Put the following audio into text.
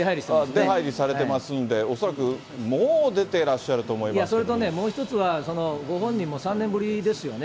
出はいりされていますので、恐らくもう出てらっしゃると思いそれとね、もう一つはご本人も３年ぶりですよね。